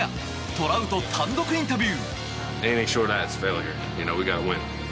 トラウト単独インタビュー。